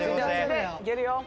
いけるよ！